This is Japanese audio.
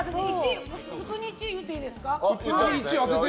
普通に１位言っていいですか。